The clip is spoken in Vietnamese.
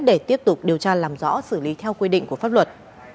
để tiếp tục điều tra làm rõ xử lý theo quy định của pháp luật